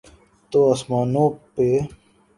تو آسمانوں پہ۔